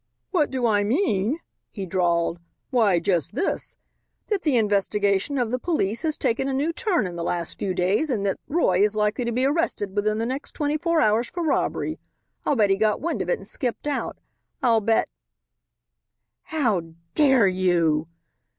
"What do I mean?" he drawled; "why, just this, that the investigation of the police has taken a new turn in the last few days, and that Roy is likely to be arrested within the next twenty four hours for robbery. I'll bet he got wind of it and skipped out. I'll bet " "How dare you?"